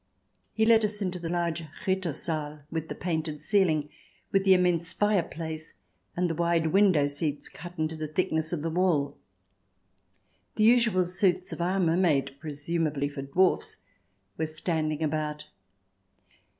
He let us into the large Hitter Saal with the painted ceiling, with the immense fireplace, and the wide window seats cut in the thickness of the wall. The usual suits of armour, made presumably for dwarfs, were standing about.